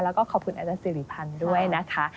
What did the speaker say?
แล้วก็ขอบคุณอาจารย์สิริพันธ์ด้วยนะคะ